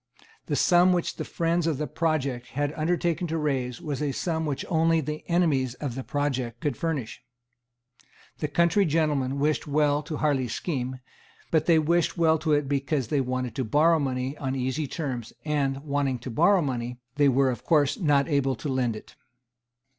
The sum which the friends of the project had undertaken to raise was a sum which only the enemies of the project could furnish. The country gentlemen wished well to Harley's scheme; but they wished well to it because they wanted to borrow money on easy terms; and, wanting to borrow money, they of course were not able to lend it.